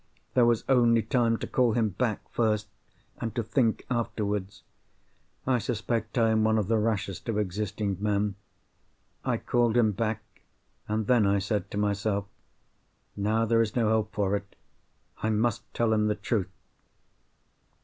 There was only time to call him back first, and to think afterwards. I suspect I am one of the rashest of existing men. I called him back—and then I said to myself, "Now there is no help for it. I must tell him the truth!"